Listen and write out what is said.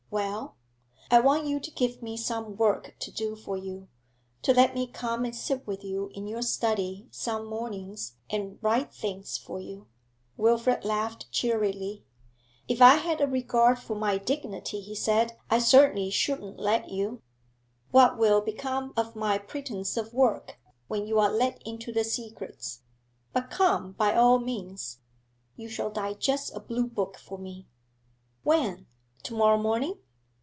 'Well?' 'I want you to give me some work to do for you to let me come and sit with you in your study some mornings and 'write things for you.' Wilfrid laughed cheerily. 'If I had a regard for my dignity,' he said, 'I certainly shouldn't let you. What will become of my pretence of work when you are let into the secrets? But come, by all means. You shall digest a blue book for me.' 'When? To morrow morning?'